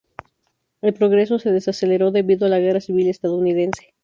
El progreso se desaceleró debido a la guerra civil estadounidense.